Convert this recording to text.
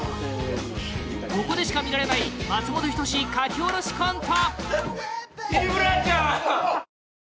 ここでしか見られない松本人志書き下ろしコント